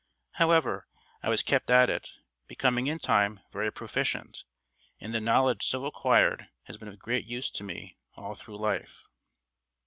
However, I was kept at it, becoming in time very proficient, and the knowledge so accquired has been of great use to me all through life.